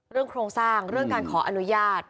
โครงสร้างเรื่องการขออนุญาต